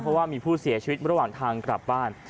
เพราะว่ามีผู้เสียชีวิตระหว่างทางกลับบ้าน